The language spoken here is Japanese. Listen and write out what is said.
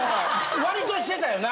わりとしてたよな？